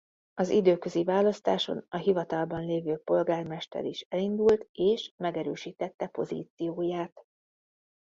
Az időközi választáson a hivatalban lévő polgármester is elindult és megerősítette pozícióját.